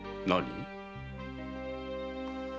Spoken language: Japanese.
何？